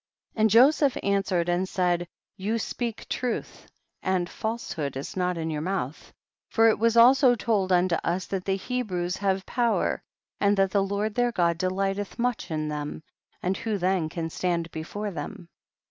61. And Joseph answered and said, you speak truth and falsehood is not in your mouth, for it was also told unto us that the Hebrews have power and that the Lord their God delighteth much in them, and who then can stand before them